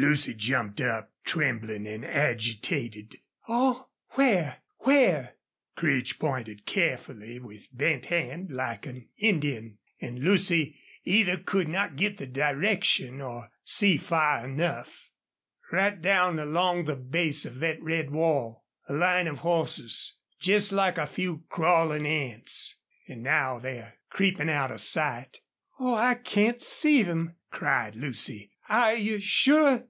Lucy jumped up, trembling and agitated. "Oh! ... Where? Where?" Creech pointed carefully with bent hand, like an Indian, and Lucy either could not get the direction or see far enough. "Right down along the base of thet red wall. A line of hosses. Jest like a few crawlin' ants' ... An' now they're creepin' out of sight." "Oh, I can't see them!" cried Lucy. "Are you SURE?"